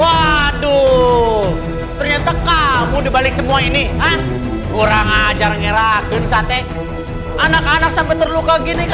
waduh ternyata kamu dibalik semua ini ha kurang ajar ngerahkan sate anak anak sampai terluka gini